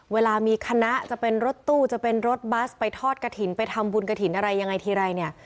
เวลามีคณะจะเป็นรถตู้จะเป็นรถบัสไปทอดกระถิ่นไปทำบุญกระถิ่นอะไรยังไงทีไรเนี่ย